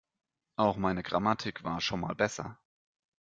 Auch meine Grammatik war schon mal besser.